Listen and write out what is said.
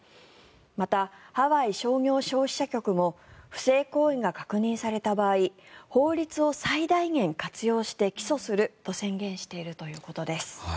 また、ハワイ商業消費者局も不正行為が確認された場合法律を最大限活用して起訴すると宣言しているということです。